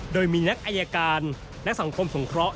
โดยมีนักอายการและสังคมสงเคราะห